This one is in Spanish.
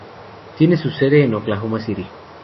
Tiene su sede en Oklahoma City.